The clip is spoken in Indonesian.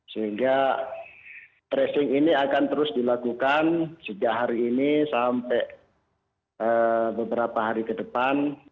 sehingga tracing ini akan terus dilakukan sejak hari ini sampai beberapa hari ke depan